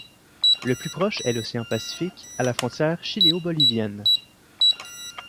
Le plus proche est l'océan pacifique à la frontière chiléo-bolivienne.